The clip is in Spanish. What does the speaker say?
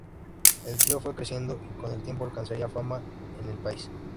El trío fue creciendo y con el tiempo alcanzaría fama en el país.